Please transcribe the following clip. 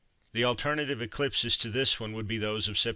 The alternative eclipses to this one would be those of Sept.